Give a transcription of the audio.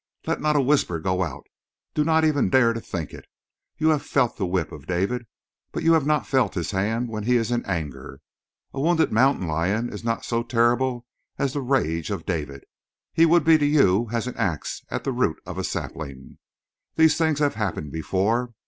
Let not a whisper go out! Do not even dare to think it. You have felt the whip of David, but you have not felt his hand when he is in anger. A wounded mountain lion is not so terrible as the rage of David; he would be to you as an ax at the root of a sapling. These things have happened before.